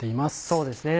そうですね。